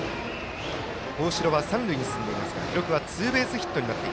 大城は三塁に進んでいますが記録はツーベースヒット。